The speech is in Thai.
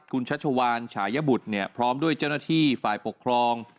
คุณชัชวานฉายบุตรเนี่ยพร้อมด้วยเจ้าหน้าที่ฝ่ายปกครอง